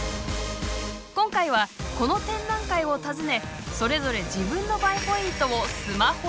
今回はこの展覧会を訪ねそれぞれ自分のＢＡＥポイントをスマホでパシャ！